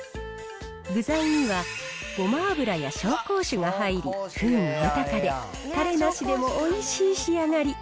具材には、ごま油や紹興酒が入り、風味豊かで、たれなしでもおいしい仕上がり。